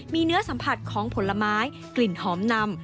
มีเนื้อสัมผัสของผลไม้กลิ่นหอมนำ